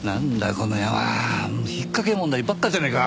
この山ひっかけ問題ばっかじゃねえか。